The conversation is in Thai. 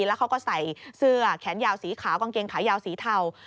แล้วเขาก็ใส่เสื้อแขนยาวสีขาวกางเกงขายาวสีเทา